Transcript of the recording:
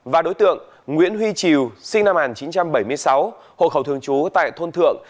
và đối tượng nguyễn huy triều sinh năm một nghìn chín trăm bảy mươi sáu hộ khẩu thường trú tại thôn thượng